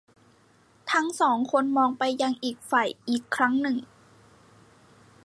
ทั้งสองคนมองไปยังอีกฝ่ายอีกครั้งหนึ่ง